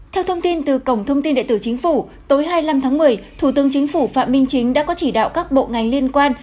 theo thông tin từ cổng thông tin đại tử chính phủ tối hai mươi năm tháng một mươi thủ tướng chính phủ phạm minh chính đã có chỉ đạo các bộ ngành liên quan